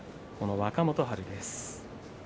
若元春です。